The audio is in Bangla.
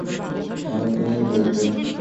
মানে তুমিই বলছো।